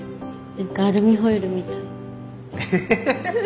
アルミホイルみたい。